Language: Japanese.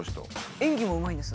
演技もうまいんです。